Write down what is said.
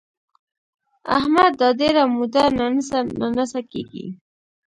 احمد دا ډېره موده ننڅه ننڅه کېږي.